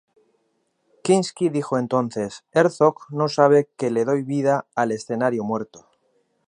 Kinski dijo entonces: "Herzog no sabe que le doy vida al escenario muerto".